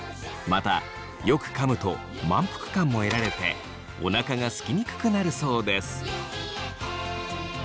またよくかむと満腹感も得られておなかがすきにくくなるそうです。